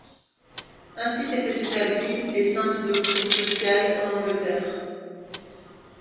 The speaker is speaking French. Ainsi s’étaient rétablies les saines doctrines sociales en Angleterre.